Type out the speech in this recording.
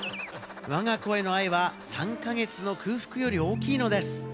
わが子への愛は３か月の空腹より大きいのです。